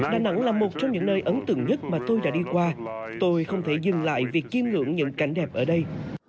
đà nẵng là một trong những nơi ấn tượng nhất mà tôi đã đi qua tôi không thể dừng lại việc chiêm ngưỡng những cảnh đẹp ở đây